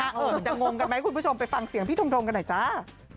มันจะงงกันไหมคุณผู้ชมไปฟังเสียงพี่ทงกันหน่อยจ้า